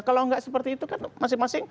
kalau nggak seperti itu kan masing masing